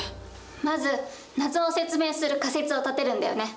まず謎を説明する仮説を立てるんだよね。